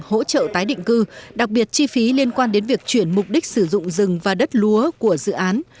hỗ trợ tái định cư đặc biệt chi phí liên quan đến việc chuyển mục đích sử dụng rừng và đất lúa của dự án